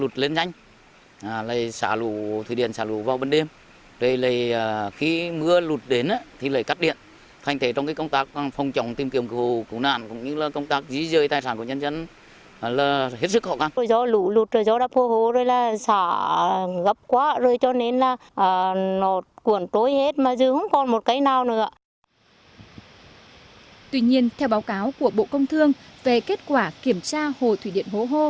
tuy nhiên theo báo cáo của bộ công thương về kết quả kiểm tra hồ thủy điện hố hô